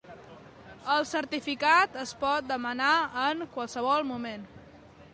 El certificat es pot demanar en qualsevol moment.